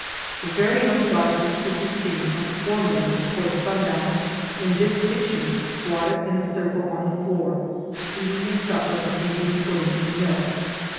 The very young darkies could be seen, a swarm of them, toward sundown, in this kitchen, squatted in a circle on the floor, eating their supper of Indian pudding and milk.